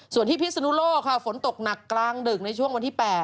ส่วนที่พิศนุโลกค่ะฝนตกหนักกลางดึกในช่วงวันที่๘